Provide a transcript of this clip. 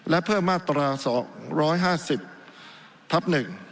และเพิ่มมาตรา๒๕๐ทับ๑